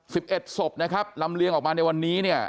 สิบเอ็ดศพนะครับลำเลียงออกมาในวันนี้เนี่ย